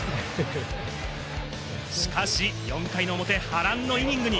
しかし４回の表、波乱のイニングに。